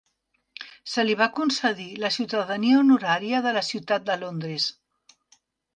Se li va concedir la ciutadania honorària de la ciutat de Londres.